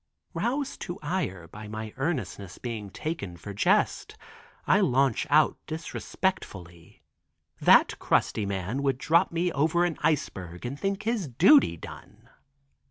Roused to ire at my earnestness being taken for jest, I launch out disrespectfully, "That crusty man would drop me over an iceberg and think his duty done."